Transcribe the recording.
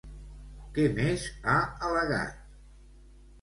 Què més ha al·legat?